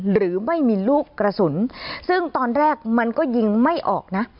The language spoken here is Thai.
หรือไม่มีลูกกระสุนซึ่งตอนแรกมันก็ยิงไม่ออกนะ